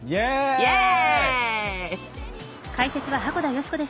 イエイ！